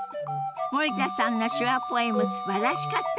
森田さんの手話ポエムすばらしかったわね。